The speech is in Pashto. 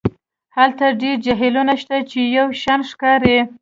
هلته ډیر جهیلونه شته چې یو شان ښکاري